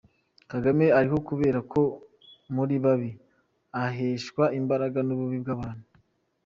Kagame ariho kubera ko muri babi, aheshwa imbaraga n’ububi bw’abantu.